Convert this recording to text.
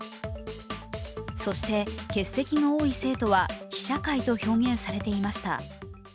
そして欠席の多い生徒は非社会と表現されていました。